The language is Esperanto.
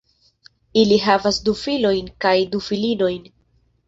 Ili havis du filojn kaj du filinojn.